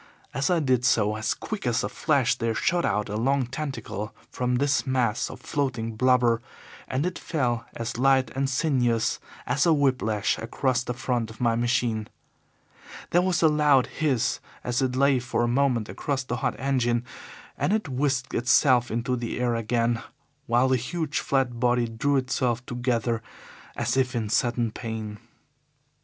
As I did so, as quick as a flash there shot out a long tentacle from this mass of floating blubber, and it fell as light and sinuous as a whip lash across the front of my machine. There was a loud hiss as it lay for a moment across the hot engine, and it whisked itself into the air again, while the huge, flat body drew itself together as if in sudden pain.